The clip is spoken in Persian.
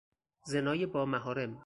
زنای با محارم